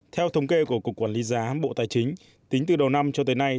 theo thống kê của cục quản lý giá bộ tài chính tính từ đầu năm cho tới nay